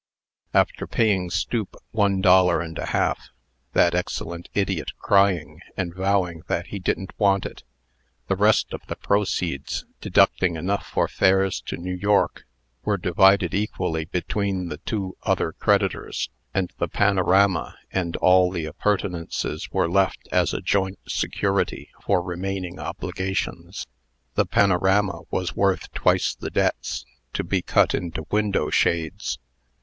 After paying Stoop one dollar and a half (that excellent idiot crying, and vowing that he didn't want it), the rest of the proceeds, deducting enough for fares to New York, were divided equally between the two other creditors; and the panorama and all the appurtenances were left as a joint security for remaining obligations. The panorama was worth twice the debts, to be cut into window shades.